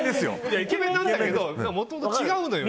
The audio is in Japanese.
イケメンなんだけど、違うのよ。